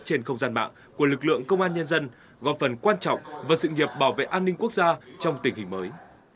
trên không gian mạng của lực lượng công an nhân dân góp phần quan trọng vào sự nghiệp bảo vệ an ninh quốc gia trong tình hình mới